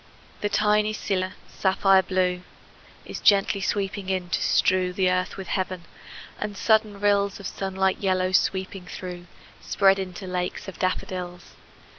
The tiny scilla, sapphire blue, Is gently sweeping in, to strew The earth with heaven; and sudden rills Of sunlit yellow, sweeping through, Spread into lakes of daffodils.